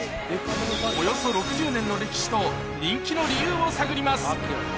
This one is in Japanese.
およそ６０年の歴史と人気の理由を探ります。